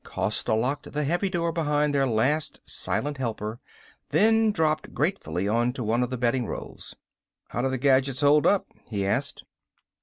Costa locked the heavy door behind their last silent helper, then dropped gratefully onto one of the bedding rolls. "How did the gadgets hold up?" he asked.